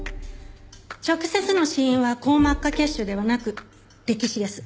直接の死因は硬膜下血腫ではなく溺死です。